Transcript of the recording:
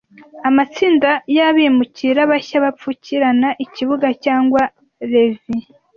Amatsinda y'abimukira bashya bapfukirana ikibuga cyangwa levee,